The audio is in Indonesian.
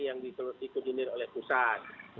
yang dikoordinir oleh pusat